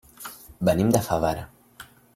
Venim de Favara.